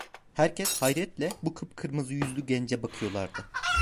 Herkes hayretle bu kıpkırmızı yüzlü gence bakıyorlardı.